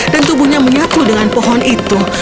dan tubuhnya menyapu dengan pohon itu